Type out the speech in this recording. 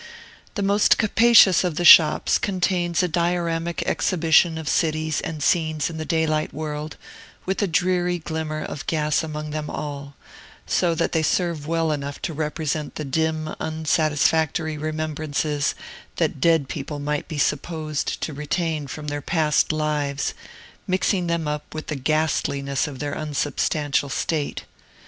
The most capacious of the shops contains a dioramic exhibition of cities and scenes in the daylight world, with a dreary glimmer of gas among them all; so that they serve well enough to represent the dim, unsatisfactory remembrances that dead people might be supposed to retain from their past lives, mixing them up with the ghastliness of their unsubstantial state.